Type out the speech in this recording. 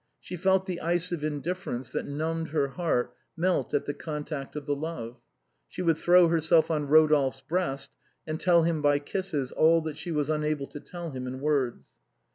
She felt the ice of indifference that numbed her heart melt at the contact of this love ; she would throw herself on Rodolphe's breast, and tell him by kisses all that she was unable to tell him in words.